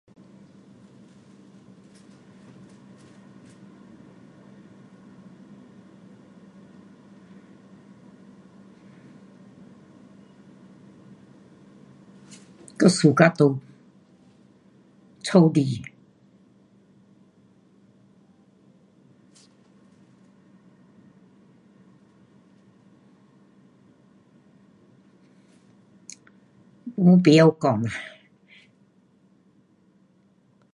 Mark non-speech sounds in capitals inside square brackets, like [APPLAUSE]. [SILENCE] 我suka 在屋里。 [SILENCE] 我不会讲。